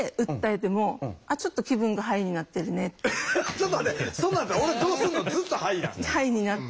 ちょっと待って！